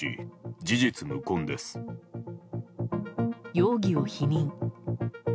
容疑を否認。